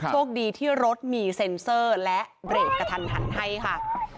โชคดีที่รถมีเซ็นเซอร์และเบรกกระทันหันให้ค่ะ